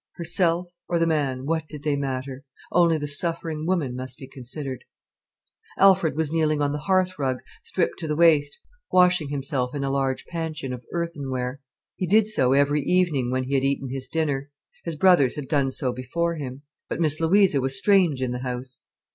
Herself, or the man, what did they matter? Only the suffering woman must be considered. Alfred was kneeling on the hearthrug, stripped to the waist, washing himself in a large panchion of earthenware. He did so every evening, when he had eaten his dinner; his brothers had done so before him. But Miss Louisa was strange in the house.